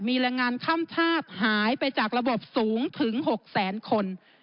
มีแรงงานข้ามทาบหายไปจากระบบสูงถึง๖แสนคน